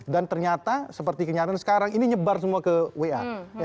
dan ternyata seperti kenyataan sekarang ini nyebar semua ke wa